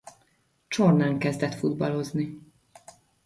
Csornán kezdett futballozni.